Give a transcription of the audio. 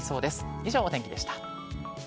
以上、お天気でした。